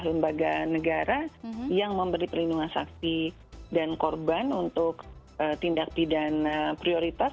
lembaga negara yang memberi perlindungan saksi dan korban untuk tindak pidana prioritas